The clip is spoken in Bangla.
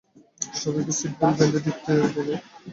সবাইকে সিট বেল্ট বেঁধে নিতে বলো।